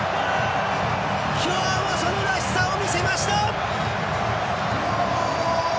今日はそのらしさを見せました！